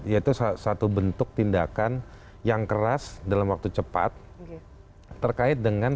yaitu satu bentuk tindakan yang keras dalam waktu cepat terkait dengan